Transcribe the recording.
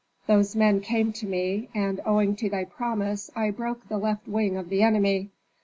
Those men came to me, and owing to thy promise I broke the left wing of the enemy.